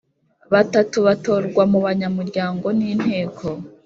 batatu batorwa mu banyamuryango n Inteko